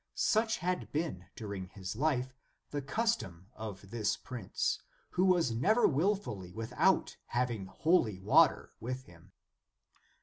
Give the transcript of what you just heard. Such had been, during his life, the custom of this prince, who was never wil fully without having holy water with him.